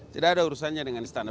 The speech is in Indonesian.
tidak ada urusannya dengan istana